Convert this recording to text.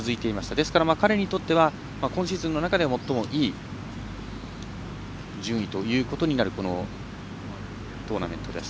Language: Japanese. ですから、彼にとっては今シーズンの中では最もいい順位ということになるこのトーナメントです。